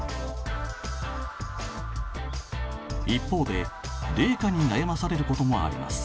一方で冷夏に悩まされることもあります。